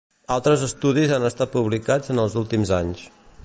Altres estudis han estat publicats en els últims anys.